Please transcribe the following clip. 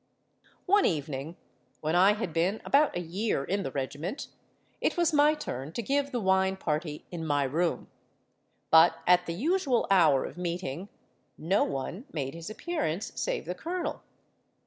"One evening—when I had been about a year in the regiment—it was my turn to give the wine party in my room; but at the usual hour of meeting no one made his appearance save the colonel.